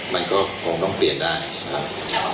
มันก็คงต้องเปลี่ยนได้นะครับ